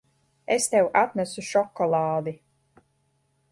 Es tev atnesu šokolādi.